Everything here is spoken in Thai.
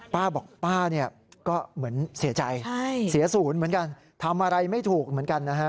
ป้าบอกป้าเนี่ยก็เหมือนเสียใจเสียศูนย์เหมือนกันทำอะไรไม่ถูกเหมือนกันนะฮะ